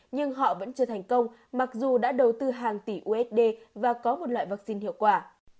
nhưng họ vẫn chưa thành công mặc dù đã đầu tư hàng tỷ usd và có một loại vaccine hiệu quả